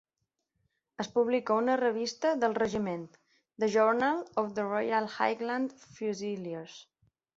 Es publica una revista del regiment, "The Journal of the Royal Highland Fusiliers".